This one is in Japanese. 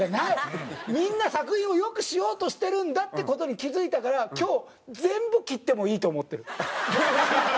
みんな作品を良くしようとしてるんだって事に気付いたから今日全部切ってもいいと思ってる。